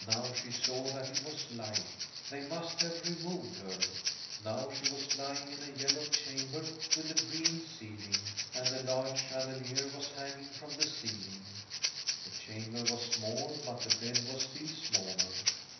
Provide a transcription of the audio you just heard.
Now she saw that it was light. They must have removed her. Now she was lying in a yellow chamber with a green ceiling, and a large chandelier was hanging from the ceiling. The chamber was small, but the bed was still smaller.